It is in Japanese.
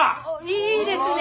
いいですね！